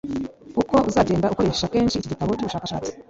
Uko uzagenda ukoresha kenshi iki Gitabo cy ubushakashatsi